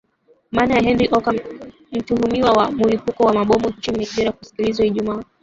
mana ya henry oka mtuhumiwa wa mulipuko wa mabomu nchini nigeria kusikilizwa ijumaa